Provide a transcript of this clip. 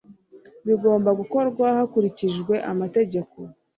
bigomba gukorwa hakurikijwe amategeko